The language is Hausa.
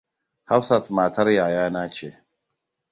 Hafsat matar yayana ce.